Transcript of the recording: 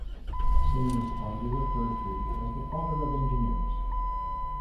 Singh was fondly referred to as the "Father of Engineers".